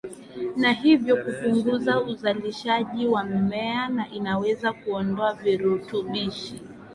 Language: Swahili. na hivyo kupunguza uzalishaji wa mmea na inaweza kuondoa virutubishi